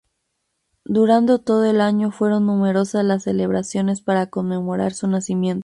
Durando todo el año fueron numerosas las celebraciones para conmemorar su nacimiento.